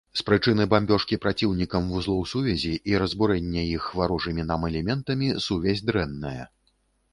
З прычыны бамбёжкі праціўнікам вузлоў сувязі і разбурэння іх варожымі нам элементамі сувязь дрэнная.